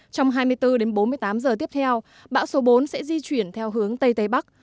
trong hai mươi bốn đến bốn mươi tám giờ tiếp theo bão số bốn sẽ di chuyển theo hướng tây tây bắc